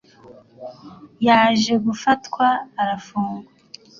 yaje gufatwa arafungwa